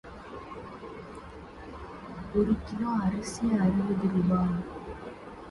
Lethbridge won the World Championships and were undefeated at the event.